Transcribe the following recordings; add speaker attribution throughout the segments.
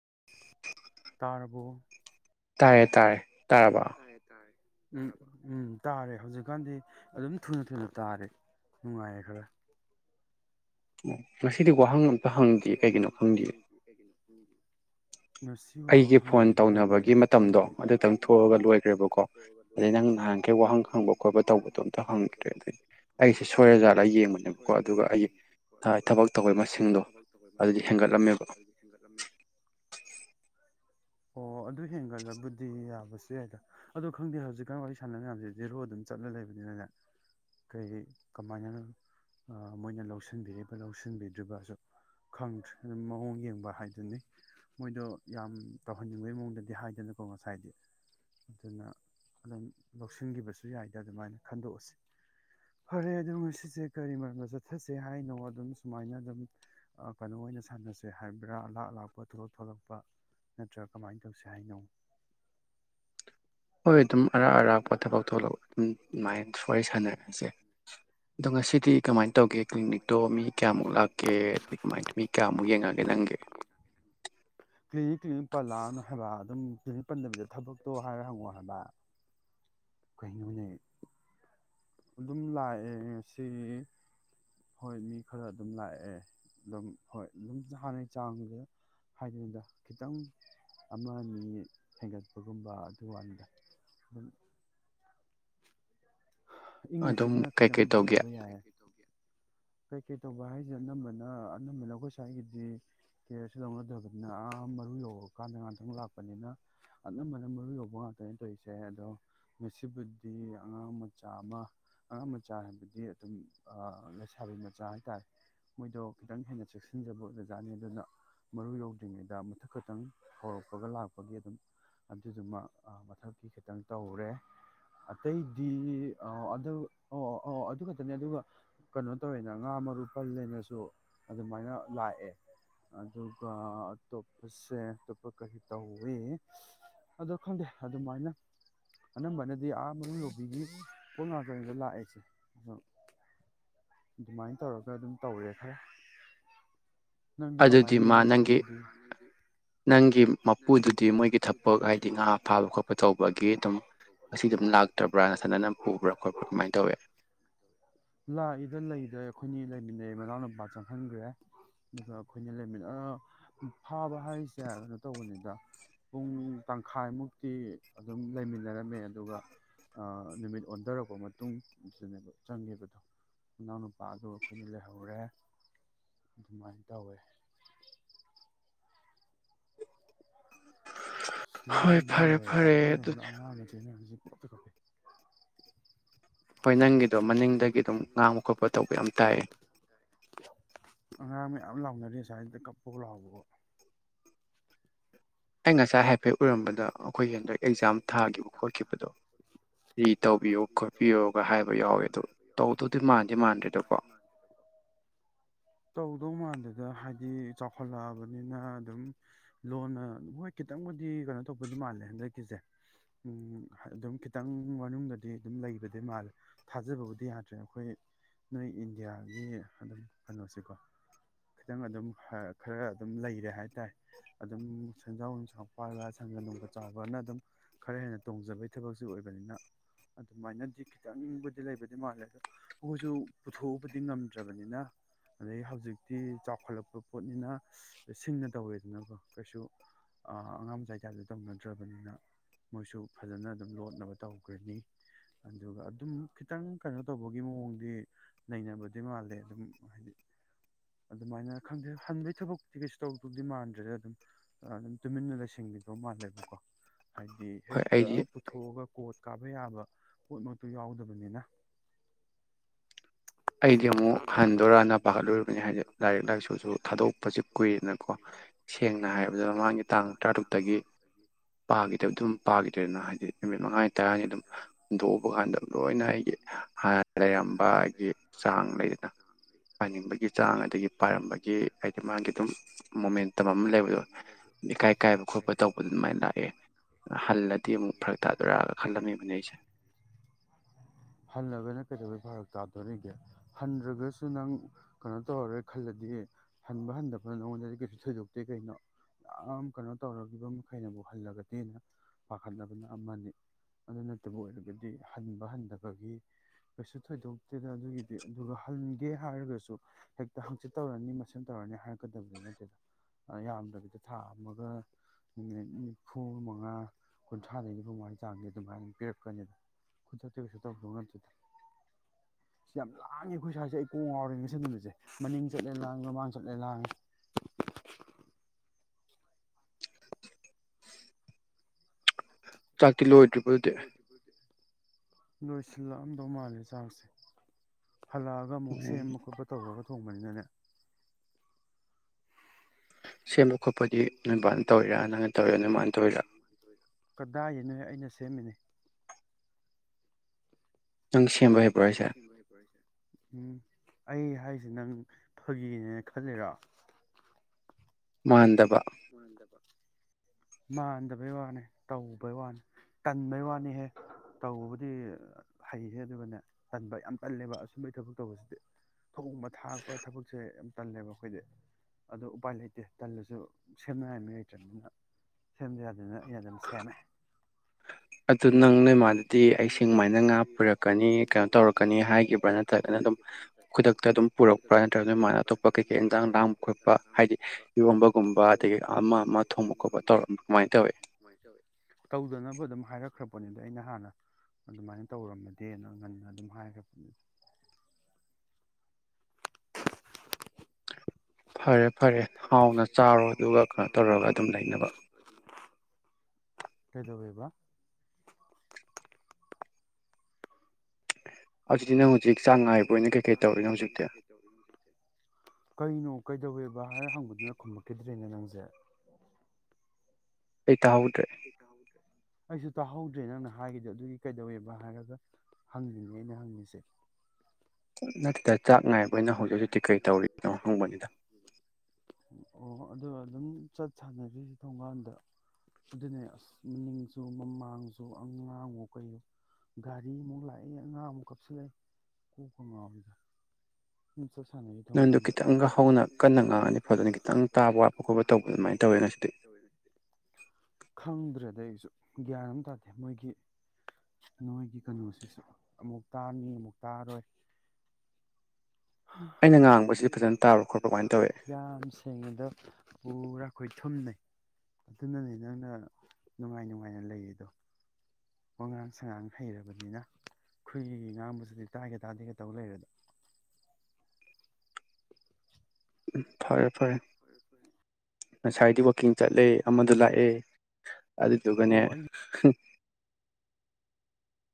Speaker 1: [inaudible]
Speaker 2: ꯇꯥꯔꯕꯣ
Speaker 1: ꯇꯥꯔꯦ ꯇꯥꯔꯦ ꯇꯥꯔꯕ
Speaker 2: ꯇꯥꯔꯦ ꯇꯥꯔꯦ ꯎꯝ ꯎꯝ ꯇꯥꯔꯦ ꯍꯧꯖꯤꯛꯀꯥꯟꯗꯤ ꯑꯗꯨꯝ ꯊꯨꯅ ꯊꯨꯅ ꯇꯥꯔꯦ ꯅꯨꯡꯉꯥꯏꯌꯦ ꯈꯔ
Speaker 1: ꯉꯁꯤꯗꯤ ꯋꯥꯍꯪ ꯑꯝꯇ
Speaker 2: ꯉꯁꯤ
Speaker 1: ꯍꯪꯗꯦ
Speaker 2: ꯋꯥꯍꯡ
Speaker 1: ꯀꯩꯒꯤꯅꯣ
Speaker 2: ꯑꯝꯇ
Speaker 1: ꯈꯪꯗꯦ
Speaker 2: ꯍꯪꯗ꯭ꯔꯦ ꯀꯩꯒꯤꯅꯣ ꯈꯪꯗꯦ ꯉꯁꯤ ꯋꯥꯍꯪ
Speaker 1: ꯑꯩꯒꯤ ꯐꯣꯟ
Speaker 2: ꯍꯪꯗ꯭ꯔꯦꯗꯨ ꯀꯩꯒꯤꯅꯣ
Speaker 1: ꯇꯧꯅꯕꯒꯤ
Speaker 2: ꯑꯩꯁꯨ ꯈꯪꯗꯦ
Speaker 1: ꯃꯇꯝꯗꯣ
Speaker 2: ꯑꯩꯒꯤ ꯐꯣꯟ
Speaker 1: ꯑꯗꯨꯇꯪ
Speaker 2: ꯇꯧꯅꯕꯩ
Speaker 1: ꯊꯣꯛꯑꯒ
Speaker 2: ꯃꯇꯝꯗꯣ ꯑꯗꯨꯗꯨꯝ
Speaker 1: ꯂꯣꯏꯈ꯭ꯔꯦꯕꯀꯣ
Speaker 2: ꯊꯣꯛꯑꯒ
Speaker 1: ꯑꯗꯩ ꯅꯪ
Speaker 2: ꯂꯣꯏꯈ꯭ꯔꯦꯕꯀꯣ
Speaker 1: ꯅꯍꯥꯟꯈꯩ ꯋꯥꯍꯪ ꯍꯪꯕ ꯈꯣꯠꯄ ꯇꯧꯕꯗꯣ ꯑꯝꯇ ꯍꯪꯗ꯭ꯔꯦ ꯑꯗꯩ ꯑꯩꯁꯦ ꯁꯣꯏꯔꯖꯥꯠꯂ ꯌꯦꯡꯕꯅꯦꯕꯀꯣ ꯑꯗꯨꯒ ꯑꯩ ꯊꯕꯛ ꯇꯧꯕꯩ ꯃꯁꯤꯡꯗꯣ
Speaker 2: ꯑꯣꯏ
Speaker 1: ꯑꯗꯨꯗꯤ
Speaker 2: ꯃꯁꯤꯡꯗꯣ
Speaker 1: ꯍꯦꯟꯒꯠꯂꯝꯃꯦꯕ
Speaker 2: ꯑꯗꯨ ꯍꯦꯟꯒꯠꯂꯝꯃꯦꯕ ꯑꯣ ꯑꯗꯨ ꯍꯦꯟꯒꯠꯂꯕꯨꯗꯤ ꯌꯥꯕꯁꯨ ꯌꯥꯏꯗ ꯑꯗꯣ ꯈꯪꯗꯦ ꯍꯧꯖꯤꯛꯀꯔ ꯋꯥꯔꯤ ꯁꯥꯟꯅ ꯃꯗ꯭ꯔꯦ ꯖꯦꯔꯣ ꯑꯗꯨꯝ ꯆꯠꯂ ꯂꯩꯕꯅꯤꯅꯅꯦ ꯀꯔꯤ ꯀꯃꯥꯏꯅ ꯃꯣꯏꯅ ꯂꯧꯁꯤꯟꯕꯤꯔꯤꯕ ꯂꯧꯁꯤꯟꯕꯤꯗ꯭ꯔꯤꯕꯁꯨ ꯈꯪꯗ꯭ꯔꯦ ꯑꯗꯨꯝ ꯃꯑꯣꯡ ꯌꯦꯡꯕ ꯍꯥꯏꯗꯨꯅꯤ ꯃꯣꯏꯗꯣ ꯌꯥꯝ ꯇꯧꯍꯟꯅꯤꯡꯕꯩ ꯃꯑꯣꯡꯗꯗꯤ ꯍꯥꯏꯗꯅꯀꯣ ꯉꯁꯥꯏꯗꯤ ꯑꯗꯨꯅ ꯑꯗꯨꯝ ꯂꯧꯁꯤꯟꯈꯤꯕꯁꯨ ꯌꯥꯏꯗ ꯑꯗꯨꯃꯥꯏꯅ ꯈꯟꯗꯣꯛꯑꯁꯤ ꯐꯔꯦ ꯑꯗꯨ ꯉꯁꯤꯁꯦ ꯀꯔꯤ ꯃꯔꯝꯗ ꯆꯠꯊꯁꯦ ꯍꯥꯏꯅꯣ ꯑꯗꯨꯝ ꯁꯨꯃꯥꯏꯅ ꯑꯗꯨꯝ ꯀꯩꯅꯣ ꯑꯣꯏꯅ ꯁꯥꯟꯅꯁꯦ ꯍꯥꯏꯕ꯭ꯔꯥ ꯑꯂꯥꯛ ꯑꯂꯥꯛꯄ ꯊꯣꯛꯂꯛ ꯊꯣꯂꯛꯄ ꯅꯠꯇ꯭ꯔꯥ ꯀꯃꯥꯏꯅ ꯇꯧꯁꯤ ꯍꯥꯏꯅꯣ
Speaker 1: ꯍꯣꯏ ꯑꯗꯨꯝ ꯑꯔꯥꯞ ꯑꯔꯥꯞꯄ ꯊꯕꯛ ꯊꯣꯛꯂꯛꯒ ꯑꯗꯨꯝ ꯑꯗꯨꯃꯥꯏꯅ ꯋꯥꯔꯤ ꯁꯥꯟꯅꯔꯛꯁꯦ ꯑꯗꯣ ꯉꯁꯤꯗꯤ ꯀꯃꯥꯏꯅ ꯇꯧꯒꯦ ꯀ꯭ꯂꯤꯅꯤꯛꯇꯣ ꯃꯤ ꯀꯌꯥꯃꯨꯛ ꯂꯥꯛꯀꯦ ꯑꯗꯨꯗꯩ ꯀꯃꯥꯏꯅ ꯃꯤ ꯀꯌꯥꯃꯨꯛ ꯌꯦꯡꯉꯒꯦ ꯅꯪꯒꯤ
Speaker 2: ꯀ꯭ꯂꯤꯅꯤꯛ ꯀ꯭ꯂꯤꯅꯤꯛ ꯄꯜꯂꯛꯑꯅꯨ ꯍꯥꯏꯕ ꯑꯗꯨꯝ ꯀ꯭ꯂꯤꯅꯤꯛ ꯄꯟꯗꯕꯤꯗ ꯊꯕꯛꯇꯣ ꯍꯥꯏꯔ ꯍꯪꯉꯛ ꯑꯣ ꯍꯥꯏꯕ ꯀꯩꯅꯣꯅꯦ ꯑꯗꯨꯝ ꯂꯥꯛꯑꯦ ꯉꯁꯤ ꯍꯣꯏ ꯃꯤ ꯈꯔ ꯑꯗꯨꯝ ꯂꯥꯛꯑꯦ ꯑꯗꯨꯝ ꯍꯣꯏ ꯑꯗꯨꯝ ꯍꯥꯟꯅꯒꯤ ꯆꯥꯡꯗꯨ ꯍꯥꯏꯗꯨꯅꯤꯗ ꯈꯤꯇꯪ ꯑꯃ ꯑꯅꯤ ꯍꯦꯟꯒꯠꯄꯒꯨꯝꯕ ꯑꯗꯨꯀꯥꯟꯗ ꯑꯗꯨꯝ ꯏꯪꯅ
Speaker 1: ꯑꯗꯨꯝ
Speaker 2: ꯆꯤꯛꯅ ꯈꯤꯇꯪ
Speaker 1: ꯀꯩꯀꯩ
Speaker 2: ꯑꯗꯨꯝ
Speaker 1: ꯇꯧꯒꯦ
Speaker 2: ꯇꯧꯕ ꯌꯥꯏ ꯀꯩꯀꯩ ꯇꯧꯕ ꯍꯥꯏꯁꯦ ꯑꯅꯝꯕꯅ ꯑꯅꯝꯕꯅ ꯑꯩꯈꯣꯏ ꯁ꯭ꯋꯥꯏꯒꯤꯗꯤ ꯀꯦꯌꯔꯁꯨ ꯂꯧꯅꯗ꯭ꯔꯕꯅꯤꯅ ꯑꯉꯥꯡ ꯃꯔꯨ ꯌꯧꯔꯀꯥꯟꯗ ꯉꯥꯛꯇꯪ ꯂꯥꯛꯄꯅꯤꯅ ꯑꯅꯝꯕꯅ ꯃꯔꯨ ꯌꯧꯕ ꯉꯥꯛꯇꯅꯦ ꯇꯧꯔꯤꯁꯦ ꯑꯗꯣ ꯉꯁꯤꯕꯨꯗꯤ ꯑꯉꯥꯡ ꯃꯆꯥ ꯑꯃ ꯑꯉꯥꯡ ꯃꯆꯥ ꯍꯥꯏꯕꯗꯤ ꯑꯗꯨꯝ ꯂꯩꯁꯥꯕꯤ ꯃꯆꯥ ꯍꯥꯏꯇꯥꯔꯦ ꯃꯣꯏꯗꯣ ꯈꯤꯇꯪ ꯍꯦꯟꯅ ꯆꯦꯛꯁꯤꯟꯖꯕ ꯑꯣꯏꯖꯥꯅꯤ ꯑꯗꯨꯅ ꯃꯔꯨ ꯌꯧꯗ꯭ꯔꯤꯉꯩꯗ ꯃꯊꯛ ꯈꯇꯪ ꯍꯧꯔꯛꯄꯒ ꯂꯥꯛꯄꯒꯤ ꯑꯗꯨꯝ ꯑꯗꯨꯗꯨꯃ ꯃꯊꯛꯀꯤ ꯈꯤꯇꯪ ꯇꯧꯔꯦ ꯑꯇꯩꯗꯤ ꯑ ꯑꯗꯨ ꯑꯣ ꯑꯣ ꯑꯣ ꯑꯗꯨ ꯈꯛꯇꯅꯦ ꯑꯗꯨꯒ ꯀꯩꯅꯣ ꯇꯧꯋꯦꯅ ꯉꯥ ꯃꯔꯨ ꯄꯜꯂꯦꯅꯁꯨ ꯑꯗꯨꯃꯥꯏꯅ ꯂꯥꯛꯑꯦ ꯑꯗꯨꯒ ꯑꯇꯣꯞꯄꯁꯦ ꯑꯇꯣꯞꯄ ꯀꯩ ꯇꯧꯏ ꯑꯗꯣ ꯈꯪꯗꯦ ꯑꯗꯨꯃꯥꯏꯅ ꯑꯅꯝꯕꯅꯗꯤ ꯑꯥ ꯃꯔꯨ ꯌꯧꯕꯤꯒꯤ ꯄꯨꯡ ꯃꯥꯄꯟꯗ ꯂꯥꯛꯑꯦꯁꯦ ꯑꯣ ꯑꯗꯨꯃꯥꯏꯅ ꯇꯧꯔꯒ ꯑꯗꯨꯝ ꯇꯧꯔꯦ ꯈꯔ ꯅꯪꯗꯤ
Speaker 1: ꯑꯗꯨꯗꯤ
Speaker 2: ꯀꯃꯥꯏꯅ
Speaker 1: ꯃꯥ
Speaker 2: ꯂꯦꯜꯂꯒꯦ
Speaker 1: ꯅꯪꯒꯤ
Speaker 2: ꯉꯁꯤꯗꯤ
Speaker 1: ꯅꯪꯒꯤ ꯃꯄꯨꯗꯨꯗꯤ ꯃꯣꯏꯒꯤ ꯊꯕꯛ ꯍꯥꯏꯗꯤ ꯉꯥ ꯐꯥꯕ ꯈꯣꯠꯄ ꯇꯧꯕꯒꯤ ꯑꯗꯨꯝ ꯉꯁꯤ ꯑꯗꯨꯝ ꯂꯥꯛꯇꯕ꯭ꯔꯥ ꯅꯊꯟꯗꯅ ꯄꯨꯕ꯭ꯔꯥ ꯈꯣꯠꯄ꯭ꯔꯥ ꯀꯃꯥꯏꯅ ꯇꯧꯋꯤ
Speaker 2: ꯂꯥꯛꯏꯗ ꯂꯩꯗ ꯑꯩꯈꯣꯏꯅꯤ ꯂꯩꯃꯤꯟꯅꯩ ꯃꯅꯥꯎꯅ ꯃꯥ ꯆꯪꯍꯟꯈ꯭ꯔꯦ ꯑꯗꯨꯒ ꯑꯩꯈꯣꯏꯅꯤ ꯂꯩꯃꯤꯟꯅ ꯐꯥꯕ ꯍꯥꯏꯔꯤꯁꯦ ꯇꯧꯕꯅꯤꯗ ꯄꯨꯡ ꯇꯪꯈꯥꯏꯃꯨꯛꯇꯤ ꯑꯗꯨꯝ ꯂꯩꯃꯤꯟꯅꯔꯝꯃꯦ ꯑꯗꯨꯒ ꯑ ꯅꯨꯃꯤꯠ ꯑꯣꯟꯗꯔꯛꯄ ꯃꯇꯨꯡ ꯑꯗꯨꯗꯅꯦꯕ ꯆꯪꯈꯤꯕꯗꯣ ꯏꯅꯥꯎ ꯅꯨꯄꯥ ꯑꯗꯨ ꯑꯩꯈꯣꯏꯅꯤ ꯂꯩꯍꯧꯔꯦ ꯑꯗꯨꯃꯥꯏꯅ ꯇꯧꯋꯦ
Speaker 1: ꯍꯣꯏ
Speaker 2: ꯂꯥꯡꯕꯗ
Speaker 1: ꯐꯔꯦ
Speaker 2: ꯂꯣꯏꯔ
Speaker 1: ꯐꯔꯦ
Speaker 2: ꯇꯥꯅꯤꯡꯗꯕꯅ
Speaker 1: ꯑꯗꯨꯅꯦ
Speaker 2: ꯑꯉꯥꯡꯅꯦ ꯀꯩꯅꯦ ꯍꯧꯖꯤꯛ ꯀꯞꯇ ꯀꯞꯄꯤ
Speaker 1: ꯍꯣꯏ ꯅꯪꯒꯤꯗꯣ ꯃꯅꯤꯡꯗꯒꯤ ꯑꯗꯨꯝ ꯉꯥꯡꯕ ꯈꯣꯠꯄ ꯇꯧꯕ ꯌꯥꯝ ꯇꯥꯏꯌꯦ
Speaker 2: ꯑꯉꯥꯡ ꯃꯌꯥꯝ ꯂꯥꯎꯅꯔꯤ ꯑꯁꯋꯥꯥꯏꯁꯤꯗ ꯀꯞꯄꯋꯣ ꯂꯥꯎꯕꯋꯣ
Speaker 1: ꯑꯩ ꯉꯁꯥꯏ ꯍꯥꯏꯐꯦꯠ
Speaker 2: ꯑꯩ ꯉꯁꯥꯏ
Speaker 1: ꯎꯔꯝꯕꯗ
Speaker 2: ꯍꯥꯏꯐꯦꯠ
Speaker 1: ꯑꯩꯈꯣꯏꯒꯤ
Speaker 2: ꯑꯩꯔꯝꯕꯗ
Speaker 1: ꯍꯟꯗꯛ ꯑꯦꯛꯖꯥꯝ
Speaker 2: ꯑꯩꯈꯣꯏꯒꯤ
Speaker 1: ꯊꯥꯈꯤꯕ
Speaker 2: ꯀꯦꯛꯖꯥꯝ ꯊꯥꯈꯤ
Speaker 1: ꯈꯣꯠꯈꯤꯕꯗꯣ
Speaker 2: ꯈꯣꯠꯈꯤꯕ
Speaker 1: ꯔꯤ ꯇꯧꯕꯤꯌꯣ
Speaker 2: ꯃꯌꯥꯝꯗꯣ ꯔꯤ ꯇꯧꯕꯤꯋꯣ
Speaker 1: ꯈꯣꯠꯄꯤꯌꯣꯒ ꯍꯥꯏꯕ ꯌꯥꯎꯋꯦ
Speaker 2: ꯈꯣꯠꯄꯤꯌꯣꯀ
Speaker 1: ꯑꯗꯣ
Speaker 2: ꯍꯥꯏꯕ ꯌꯥꯎꯋꯦꯕ
Speaker 1: ꯇꯧꯗꯧꯗꯤ ꯃꯥꯟꯗꯤ
Speaker 2: ꯇꯧꯗꯧꯗꯤ
Speaker 1: ꯃꯥꯟꯗ꯭ꯔꯦꯗꯀꯣ
Speaker 2: ꯃꯥꯟꯗꯦꯗ ꯇꯧꯗꯧ ꯃꯥꯟꯗꯦꯗ ꯍꯥꯏꯗꯤ ꯍꯥꯏꯗꯤ ꯆꯥꯎꯈꯠꯂꯛꯑꯕꯅꯤꯅ ꯑꯗꯨꯝ ꯂꯣꯟꯅ ꯃꯣꯏ ꯈꯤꯇꯪꯕꯨꯗꯤ ꯀꯩꯅꯣ ꯇꯧꯕꯗꯤ ꯃꯥꯜꯂꯦ ꯍꯟꯗꯛꯀꯤꯁꯦ ꯑꯗꯨꯝ ꯈꯤꯇꯪ ꯃꯅꯨꯡꯗꯗꯤ ꯑꯗꯨꯝ ꯂꯩꯕꯗꯤ ꯃꯥꯜꯂꯦ ꯊꯥꯖꯕꯕꯨꯗꯤ ꯌꯥꯗ꯭ꯔꯦ ꯑꯩꯈꯣꯏ ꯅꯣꯏ ꯏꯟꯗꯤꯌꯥꯒꯤ ꯑꯗꯨꯝ ꯀꯩꯅꯣꯁꯦꯀꯣ ꯈꯤꯇꯪ ꯑꯗꯨꯝ ꯈꯔ ꯑꯗꯨꯝ ꯂꯩꯔꯦ ꯍꯥꯏꯇꯥꯔꯦ ꯑꯗꯨꯝ ꯁꯦꯟꯖꯥꯎ ꯄꯥꯏꯕ ꯁꯪꯒ ꯅꯨꯡꯒ ꯆꯥꯎꯕꯅ ꯑꯗꯨꯝ ꯈꯔ ꯍꯦꯟꯅ ꯇꯣꯡꯖꯕꯩ ꯊꯕꯛꯁꯨ ꯑꯣꯏꯕꯅꯤꯅ ꯑꯗꯨꯃꯥꯏꯅꯗꯤ ꯈꯤꯇꯪꯅꯤꯡꯕꯨꯗꯤ ꯂꯩꯕꯗꯤ ꯃꯥꯜꯂꯦ ꯑꯗ ꯑꯩꯈꯣꯏꯁꯨ ꯄꯨꯊꯣꯛꯎꯕꯗꯤ ꯉꯝꯗ꯭ꯔꯕꯅꯤꯅ ꯑꯗꯗꯒꯤ ꯍꯧꯖꯤꯛꯇꯤ ꯆꯥꯎꯈꯠꯂꯛꯄ ꯄꯣꯠꯅꯤꯅ ꯁꯤꯡꯅ ꯇꯧꯋꯦꯗꯅꯀꯣ ꯀꯩꯁꯨ ꯑꯉꯥꯡ ꯃꯆꯥꯥꯏꯇꯥꯥꯏꯞꯗ ꯇꯧꯅꯗ꯭ꯔꯕꯅꯤꯅ ꯃꯣꯏꯁꯨ ꯐꯖꯅ ꯑꯗꯨꯝ ꯂꯣꯠꯅꯕ ꯇꯧꯈ꯭ꯔꯅꯤ ꯑꯗꯨꯒ ꯑꯗꯨꯝ ꯈꯤꯇꯪ ꯀꯩꯅꯣ ꯇꯧꯕꯒꯤ ꯃꯑꯣꯡꯗꯤ ꯅꯩꯅꯕꯗꯤ ꯃꯥꯜꯂꯦ ꯑꯗꯨꯝ ꯍꯥꯏꯗꯤ ꯑꯗꯨꯃꯥꯏꯅ ꯈꯪꯗꯦ ꯍꯟꯕꯩ ꯊꯕꯛꯇꯤ ꯀꯩꯁꯨ ꯇꯧꯗꯧꯗꯤ ꯃꯥꯟꯗ꯭ꯔꯦꯗ ꯑꯗꯨꯝ ꯇꯨꯃꯤꯟꯅ ꯂꯩꯁꯟꯒꯤꯗꯧ ꯃꯥꯜꯂꯦꯕꯀꯣ ꯍꯥꯏꯗꯤ
Speaker 1: ꯍꯣꯏ
Speaker 2: ꯍꯦꯛꯇ
Speaker 1: ꯑꯩꯗꯤ
Speaker 2: ꯄꯨꯊꯣꯛꯑꯒ ꯀꯣꯠ ꯀꯥꯕ ꯌꯥꯕ ꯄꯣꯠꯃꯛꯇꯨ ꯌꯥꯎꯗꯕꯅꯤꯅ
Speaker 1: ꯑꯩꯗꯤ ꯑꯃꯨꯛ ꯍꯟꯗꯣꯏꯔꯅ
Speaker 2: ꯍꯟꯗꯣꯔꯥꯅ
Speaker 1: ꯄꯥꯈꯠꯂꯨꯔꯤꯕꯅꯤ ꯍꯥꯏꯗꯤ
Speaker 2: ꯄꯥꯈꯠꯂꯨꯕꯅꯦ
Speaker 1: ꯂꯥꯏꯔꯤꯛ
Speaker 2: ꯑꯩ
Speaker 1: ꯂꯥꯏꯁꯨꯁꯨ
Speaker 2: ꯂꯥꯏꯔꯤꯛ ꯂꯥꯏꯁꯨ
Speaker 1: ꯊꯥꯗꯣꯛꯄꯁꯤ
Speaker 2: ꯊꯥꯗꯣꯛꯄꯁꯦ
Speaker 1: ꯀꯨꯏꯔꯦꯅꯀꯣ
Speaker 2: ꯀꯨꯏꯔꯦ
Speaker 1: ꯁꯦꯡꯅ ꯍꯥꯏꯔꯕꯗ ꯃꯃꯥꯡꯒꯤ ꯇꯥꯡ ꯇꯔꯥꯇꯔꯨꯛꯇꯒꯤ ꯄꯥꯈꯤꯗꯕ ꯑꯗꯨꯝ ꯄꯥꯈꯤꯗ꯭ꯔꯦꯗꯅ ꯍꯥꯏꯗꯤ ꯅꯨꯃꯤꯠ ꯃꯉꯥꯅꯤ ꯇꯔꯥꯅꯤ ꯑꯗꯨꯝ ꯍꯨꯟꯗꯣꯛꯎꯕ ꯀꯥꯟꯗ ꯂꯣꯏꯅ ꯑꯩꯒꯤ ꯍꯥꯟꯅ ꯂꯩꯔꯝꯕ ꯑꯩꯒꯤ ꯆꯥꯡ ꯂꯩꯗꯅ ꯄꯥꯏꯅꯤꯡꯕꯒꯤ ꯆꯥꯡ ꯑꯗꯒꯤ ꯄꯥꯏꯔꯝꯕꯒꯤ ꯍꯥꯏꯗꯤ ꯃꯥꯒꯤ ꯑꯗꯨꯝ ꯃꯣꯃꯦꯟꯇꯝ ꯑꯃ ꯂꯩꯕꯗꯣ ꯀꯥꯏꯕ ꯈꯣꯠꯄ ꯇꯧꯕ ꯑꯗꯨꯃꯥꯏꯅ ꯂꯥꯛꯑꯦ ꯍꯜꯂꯗꯤ ꯑꯃꯨꯛ ꯐꯔꯛ ꯇꯥꯗꯣꯏꯔ ꯑꯅ ꯈꯜꯂꯝꯃꯤꯕꯅꯦ ꯑꯩꯁꯦ
Speaker 2: ꯑꯗꯣꯗꯤ ꯍꯟꯗ꯭ꯔꯒꯁꯨ ꯅꯪ ꯀꯩꯅꯣ ꯇꯧꯔꯔꯣꯏ ꯈꯜꯂꯗꯤ ꯍꯟꯕ ꯍꯟꯗꯕꯗ ꯅꯪꯉꯣꯟꯗꯗꯤ ꯀꯩꯁꯨ ꯊꯣꯏꯗꯣꯛꯇꯦ ꯀꯩꯅꯣ ꯌꯥꯝ ꯀꯩꯅꯣ ꯇꯧꯔꯒ ꯑꯗꯨꯝ ꯍꯩꯅꯕꯨ ꯍꯜꯂꯒꯗꯤ ꯄꯥꯈꯠꯅꯕꯅ ꯑꯃꯅꯤ ꯑꯗꯨ ꯅꯠꯇꯕ ꯑꯣꯏꯔꯒꯗꯤ ꯍꯟꯕ ꯍꯟꯗꯕꯒꯤ ꯀꯩꯁꯨ ꯊꯣꯏꯗꯣꯛꯇꯦꯗ ꯑꯗꯨꯒꯤꯗꯤ ꯑꯗꯨꯒ ꯍꯟꯒꯦ ꯍꯥꯏꯔꯒꯁꯨ ꯍꯦꯛꯇ ꯍꯪꯆꯤꯠ ꯇꯧꯔꯅꯤ ꯃꯁꯦꯝ ꯇꯧꯔꯅꯤ ꯍꯥꯏꯔꯛꯀꯗꯕꯗꯤ ꯅꯠꯇꯦꯗ ꯌꯥꯝꯗ꯭ꯔꯕꯤꯗ ꯊꯥ ꯑꯃꯒ ꯃꯤꯅꯤꯠ ꯅꯤꯐꯨ ꯃꯉꯥ ꯀꯨꯟꯊ꯭ꯔꯥꯗꯒꯤ ꯅꯤꯐꯨ ꯃꯉꯥꯥꯗꯤ ꯆꯥꯡꯗꯤ ꯑꯗꯨꯃꯥꯏꯅ ꯄꯤꯔꯛꯀꯅꯤꯗ ꯈꯨꯠꯇꯤ ꯀꯩꯁꯨ ꯇꯧꯗꯣ ꯁꯠꯇꯦꯗ ꯌꯥꯝ ꯂꯥꯡꯉꯦ ꯑꯩꯈꯣꯏ ꯁꯋꯥꯢꯁꯦ ꯑꯩ ꯀꯣꯡ ꯉꯥꯎꯔꯦ ꯉꯁꯤꯟ ꯅꯨꯃꯤꯁꯦ ꯃꯅꯤꯡ ꯆꯠꯂꯦ ꯂꯥꯡꯉꯦ ꯃꯃꯥꯡ ꯆꯠꯂꯦ ꯂꯥꯡꯉꯦ
Speaker 1: ꯆꯥꯛꯇꯤ ꯂꯣꯏꯗ꯭ꯔꯤ
Speaker 2: ꯆꯥꯛꯇꯤ ꯂꯣꯏꯗ꯭ꯔꯤ ꯅꯣꯏꯗꯤ ꯂꯣꯏꯁꯤꯜꯂꯛꯑꯝꯗꯧ ꯃꯥꯜꯂꯦ ꯆꯥꯛꯁꯦ ꯍꯜꯂꯛꯑꯒ ꯑꯃꯨꯛ
Speaker 1: ꯎꯝ
Speaker 2: ꯁꯦꯝꯕ ꯈꯣꯠꯄ ꯇꯧꯔꯒ ꯊꯣꯡꯕꯅꯤꯅ ꯅꯦ
Speaker 1: ꯁꯦꯝꯕ ꯈꯣꯠꯄꯗꯤ ꯅꯣꯏꯕꯅ ꯇꯧꯔꯤꯔꯥ ꯅꯪꯅ ꯇꯧꯔꯤꯔꯥ ꯅꯣꯏꯃꯥꯅ ꯇꯧꯔꯤꯔꯥ
Speaker 2: ꯀꯗꯥꯏꯗꯩꯅꯣ ꯍꯦ ꯑꯩꯅ ꯁꯦꯝꯃꯤꯅꯤ
Speaker 1: ꯅꯪꯁ
Speaker 2: ꯅꯪ ꯁꯦꯝꯕ ꯍꯩꯕ꯭ꯔꯣꯎꯝ ꯑꯩ ꯍꯥꯏꯁꯦ ꯅꯪ ꯐꯒꯤꯅꯦꯅ ꯈꯜꯂꯤꯔꯣ
Speaker 1: ꯃꯥꯟꯗꯕ
Speaker 2: ꯃꯥꯟꯗꯕ ꯃꯥꯟꯗꯕꯩ ꯋꯥꯅꯤ ꯇꯧꯕꯩ ꯋꯥꯅꯤ ꯇꯟꯕꯩ ꯋꯥꯅꯤꯍꯦ ꯇꯕꯨꯗꯤ ꯍꯩꯍꯦ ꯑꯗꯨꯒꯅꯦ ꯇꯟꯕ ꯌꯥꯝ ꯇꯜꯂꯦꯕ ꯑꯁꯨꯝꯕꯒꯤ ꯊꯕꯛ ꯇꯧꯕꯁꯤꯗꯤ ꯊꯣꯡꯕ ꯊꯥꯛꯄ ꯊꯕꯛꯁꯦ ꯌꯥꯝ ꯇꯜꯂꯦꯕ ꯑꯩꯈꯣꯏꯗꯤ ꯑꯗꯨ ꯎꯄꯥꯏ ꯂꯩꯇꯦ ꯇꯜꯂꯁꯨ ꯁꯃ ꯃꯤꯑꯣꯏ ꯆꯪꯅ [unintelligible] ꯁꯦꯝꯗ ꯌꯥꯗꯗꯅ ꯑꯩ ꯑꯗꯨꯝ ꯁꯦꯝꯃꯦ
Speaker 1: ꯑꯗꯨ ꯅꯪ ꯅꯣꯏꯃꯥꯗꯗꯤ ꯑꯩꯁꯨꯃꯥꯏꯅ ꯉꯥ ꯄꯨꯔꯛꯀꯅꯤ ꯀꯩꯅꯣ ꯇꯧꯔꯛꯀꯅꯤ ꯍꯥꯏꯒꯤꯈꯤꯕ꯭ꯔꯥ ꯅꯠꯇ꯭ꯔꯒꯅ ꯑꯗꯨꯝ ꯈꯨꯗꯛꯇ ꯑꯗꯨꯝ ꯄꯨꯔꯛꯄ꯭ꯔꯥ ꯅꯠꯇ꯭ꯔꯒ ꯅꯣꯏ ꯃꯥꯥꯅ ꯑꯇꯣꯞꯄ ꯀꯩꯀꯩ ꯏꯟꯖꯥꯡ ꯂꯥꯡꯕ ꯈꯣꯠꯄ ꯍꯥꯏꯗꯤ ꯏꯣꯟꯝꯕꯒꯨꯝꯕ
Speaker 2: ꯒꯨꯝꯕ ꯑꯃ ꯑꯃ ꯊꯣꯡꯕ ꯈꯣꯠꯄ
Speaker 1: ꯇꯧꯋꯤ
Speaker 2: ꯇꯧꯔꯛꯄꯗ ꯀꯃꯥꯏ ꯇꯧꯋꯤ ꯇꯧꯗꯅꯕ ꯑꯗꯨꯝ ꯑꯗꯨꯝ ꯍꯥꯏꯔꯛꯈ꯭ꯔꯕꯅꯤꯗ ꯑꯩꯅ ꯍꯥꯟꯅ ꯑꯗꯨꯃꯥꯏꯅ ꯇꯧꯔꯝꯃꯗꯤꯑꯅ ꯉꯟꯅ ꯑꯗꯨꯝ ꯍꯥꯏꯈ꯭ꯔꯕꯅꯤ
Speaker 1: ꯐꯔꯦ ꯐꯔꯦ ꯍꯥꯎꯅ ꯆꯥꯔꯣ ꯑꯗꯨꯒ ꯀꯩꯅꯣ ꯇꯧꯔꯒ ꯑꯗꯨꯝ ꯂꯩꯅꯕ
Speaker 2: ꯀꯩꯗꯧꯑꯦꯕ
Speaker 1: ꯑ ꯁꯤꯖꯤꯅ ꯍ [unintelligible]
Speaker 2: ꯆꯦ ꯆꯥꯡ ꯉꯥꯏꯕ ꯑꯣꯏꯅ ꯀꯩ ꯀꯩ ꯇꯧꯔꯤꯅꯣ ꯍꯧꯖꯤꯛꯇꯤ ꯀꯩꯅꯣ ꯀꯩꯗꯧꯌꯦꯕ ꯍꯥꯏꯔ ꯍꯪꯕꯗꯨꯅ ꯈꯨꯝꯃꯛꯈꯤꯗ꯭ꯔꯦꯕ ꯅꯪꯁꯦ
Speaker 1: ꯑꯩ ꯇꯥꯍꯧꯗꯦ
Speaker 2: ꯍ ꯀꯥꯎꯒ [unintelligible] ꯑꯩꯁꯨ ꯇꯥꯍꯧꯗ꯭ꯔꯦ ꯅꯪꯅ ꯍꯥꯏꯈꯤꯗ ꯑꯗꯨꯒꯤ ꯀꯩꯗꯧꯋꯦꯕ ꯍꯥꯏꯔꯒ ꯍꯪꯉꯤꯅꯦ ꯑꯩꯅ ꯍꯪꯉꯤꯁꯦ
Speaker 1: ꯅꯠꯇꯦꯗ ꯆꯥꯛ ꯉꯥꯏꯕ ꯑꯣꯏꯅ ꯍꯧꯖꯤꯛ ꯍꯧꯖꯤꯛꯇꯤ ꯀꯩ ꯇꯧꯔꯤꯅꯣ ꯍꯪꯕꯅꯤꯗ
Speaker 2: ꯑꯣ ꯑꯗꯨ ꯑꯗꯨꯝ ꯆꯠ ꯁꯥꯟꯅꯔꯤ ꯊꯣꯡꯒꯥꯟꯗ ꯑꯗꯨꯅꯦ ꯑꯁ ꯃꯅꯤꯡꯁꯨ ꯃꯃꯥꯡꯁꯨ ꯑꯉꯥꯡꯉꯣ ꯀꯩꯋꯣ ꯒꯥꯔꯤ ꯃꯨꯛ ꯂꯥꯛꯏ ꯑꯉꯥꯡꯃꯨꯛ ꯀꯥꯞꯁꯤꯜꯂꯛꯏ ꯀꯣꯛꯀ ꯉꯥꯎꯏꯗ ꯁꯨꯝ ꯆꯠ ꯁꯥꯟꯅꯔꯤ
Speaker 1: ꯅꯪꯗꯣ
Speaker 2: ꯊꯣꯡꯒꯥꯟꯗ
Speaker 1: ꯈꯤꯇꯪꯒ ꯍꯧꯅ ꯀꯟꯅ ꯉꯥꯡꯉꯗꯤ ꯐꯗꯣꯏꯅꯤ ꯈꯤꯇꯪ ꯇꯥꯕ ꯋꯥꯠꯄ ꯈꯣꯠꯄ ꯇꯧꯕ ꯑꯗꯨꯃꯥꯏꯅ ꯇꯧꯋꯦ ꯉꯁꯤꯗꯤ
Speaker 2: ꯈꯪꯗ꯭ꯔꯦꯗ ꯑꯩꯁꯨ [unintelligible] ꯒ꯭ꯌꯥꯟ ꯑꯃ ꯇꯥꯗꯦ ꯃꯣꯏꯒꯤ ꯅꯣꯏꯒꯤ ꯀꯩꯅꯣꯁꯤꯁꯨ ꯑꯃꯨꯛ ꯇꯥꯅꯤ ꯑꯃꯨꯛ ꯇꯥꯔꯣꯏ ꯍꯥ
Speaker 1: ꯑꯩꯅ ꯉꯥꯡꯕꯁꯤꯗꯤ
Speaker 2: ꯑꯩꯅ
Speaker 1: ꯐꯖꯅ
Speaker 2: ꯉꯥꯡꯕꯁꯦ
Speaker 1: ꯇꯥꯕ꯭ꯔꯥ ꯈꯣꯠꯄ꯭ꯔꯥ ꯀꯃꯥꯏꯅ
Speaker 2: ꯐꯖꯅꯥ
Speaker 1: ꯇꯧꯋꯤ
Speaker 2: ꯇꯥꯕ꯭ꯔꯥ ꯌꯥꯝ ꯁꯦꯡꯉꯦꯗꯣ ꯄꯨꯔꯥꯈꯣꯏ ꯊꯨꯝꯅꯩ ꯑꯗꯨꯅꯅꯦ ꯅꯪꯅ ꯅꯨꯡꯉꯥꯏ ꯅꯨꯡꯉꯥꯏꯅ ꯂꯩꯔꯤꯗꯣ ꯋꯥꯉꯥꯡ ꯁꯉꯥꯡꯅ ꯍꯩꯔꯕꯅꯤꯅ ꯑꯩꯈꯣꯏꯒꯤ ꯉꯥꯡꯕꯁꯤꯗꯤ ꯇꯥꯒꯦ ꯇꯥꯗꯦꯒ ꯇꯧ ꯂꯩꯔꯦꯗꯣ
Speaker 1: ꯎꯝ ꯐꯔꯦ ꯐꯔꯦ ꯉꯁꯥꯏꯗꯤ ꯋꯀꯤꯡ ꯆꯠꯂꯦ ꯑꯃꯗꯣ ꯂꯥꯛꯑꯦ ꯑꯗꯨꯗꯨꯒꯅꯦ
Speaker 2: ꯑꯣ ꯑꯩ
Speaker 1: ꯍꯝ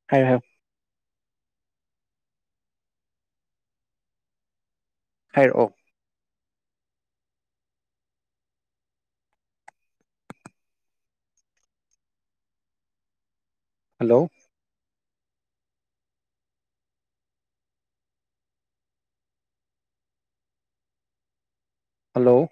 Speaker 1: ꯍꯥꯢꯌꯣ ꯍꯥꯏꯌꯣ ꯍꯥꯏꯔꯛꯑꯣ ꯍꯜꯂꯣ ꯍꯜꯂꯣ